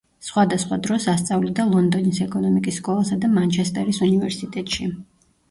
სხვადასხვა დროს ასწავლიდა ლონდონის ეკონომიკის სკოლასა და მანჩესტერის უნივერსიტეტში.